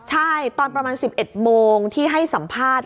ใช่ตอนประมาณ๑๑โมงที่ให้สัมภาษณ์